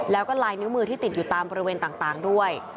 แล้วก็ลายนิ้วมือที่ติดอยู่ตามบริเวณต่างด้วย